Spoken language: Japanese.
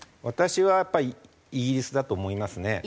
私はやっぱりイギリスだと思いますね。